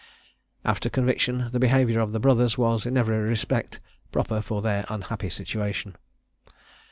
After conviction the behaviour of the brothers was, in every respect, proper for their unhappy situation.